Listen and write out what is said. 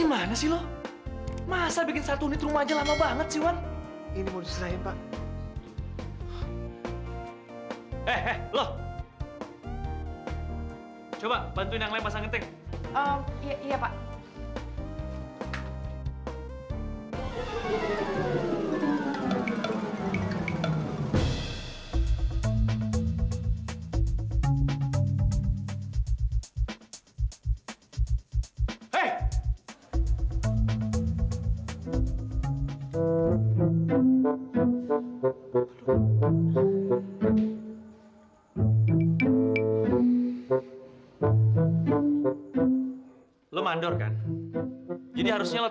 tapi peraturan tetep peraturan wak